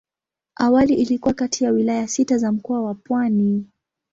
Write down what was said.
Awali ilikuwa kati ya wilaya sita za Mkoa wa Pwani.